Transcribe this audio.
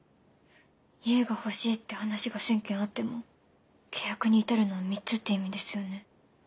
「家が欲しいって話が１，０００件あっても契約に至るのは３つ」っていう意味ですよね？